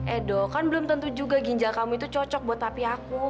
edo kan belum tentu juga ginjal kamu itu cocok buat tapi aku